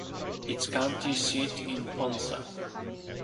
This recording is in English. Its county seat is Ponca.